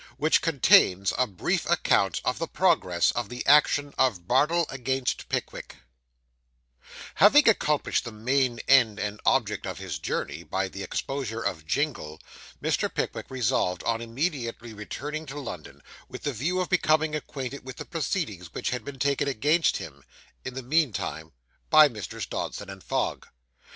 WHICH CONTAINS A BRIEF ACCOUNT OF THE PROGRESS OF THE ACTION OF BARDELL AGAINST PICKWICK Having accomplished the main end and object of his journey, by the exposure of Jingle, Mr. Pickwick resolved on immediately returning to London, with the view of becoming acquainted with the proceedings which had been taken against him, in the meantime, by Messrs. Dodson and Fogg.